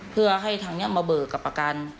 เพื่อให้ทางนี้มาเบิกกับประกัน